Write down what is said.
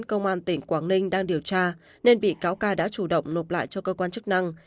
công an tỉnh quảng ninh đang điều tra nên bị cáo ca đã chủ động nộp lại cho cơ quan chức năng